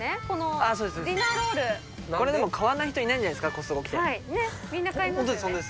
これでも買わない人いないんじゃないですか？